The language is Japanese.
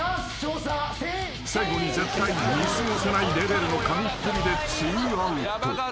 ［最後に絶対見過ごせないレベルのかみっぷりでツーアウト］